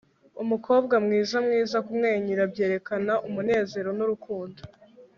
umukobwa mwiza mwiza kumwenyura byerekana umunezero nurukundo